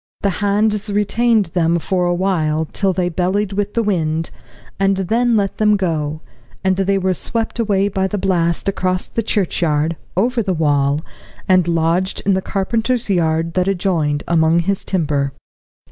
The hands retained them for a while till they bellied with the wind, and then let them go, and they were swept away by the blast across the churchyard, over the wall, and lodged in the carpenter's yard that adjoined, among his timber.